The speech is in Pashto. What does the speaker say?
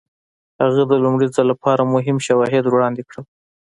هغه د لومړي ځل لپاره مهم شواهد وړاندې کړل.